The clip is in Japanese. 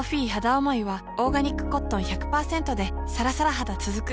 おもいはオーガニックコットン １００％ でさらさら肌つづく